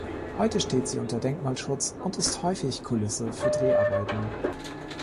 Heute steht sie unter Denkmalschutz und ist häufig Kulisse für Dreharbeiten.